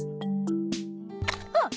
あっ！